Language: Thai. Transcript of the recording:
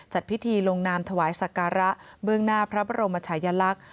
จัดพิธีลงนามถวายสักการะเบื้องหน้าพระบรมชายลักษณ์